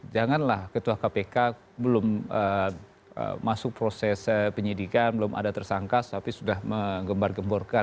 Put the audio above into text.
janganlah ketua kpk belum masuk proses penyidikan belum ada tersangka tapi sudah menggembar gemborkan